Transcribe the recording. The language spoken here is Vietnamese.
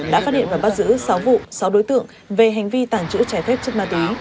đã phát hiện và bắt giữ sáu vụ sáu đối tượng về hành vi tàng trữ trẻ thép chất ma tí